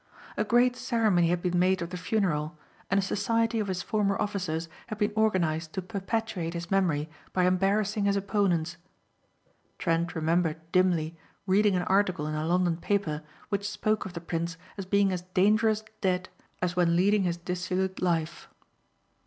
A great ceremony had been made of the funeral and a society of his former officers had been organized to perpetuate his memory by embarrassing his opponents. Trent remembered, dimly, reading an article in a London paper which spoke of the prince as being as dangerous dead as when leading his dissolute life.